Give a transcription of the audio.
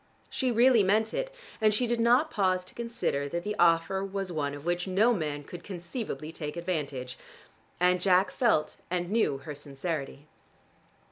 She really meant it, and she did not pause to consider that the offer was one of which no man could conceivably take advantage. And Jack felt and knew her sincerity.